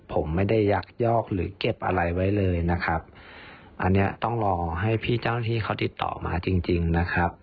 ผมไม่ได้ยักยอกหรือเก็บอะไรไว้เลยนะครับอันเนี้ยต้องรอให้พี่เจ้าหน้าที่เขาติดต่อมาจริงจริงนะครับ